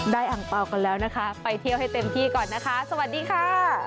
อังเปล่ากันแล้วนะคะไปเที่ยวให้เต็มที่ก่อนนะคะสวัสดีค่ะ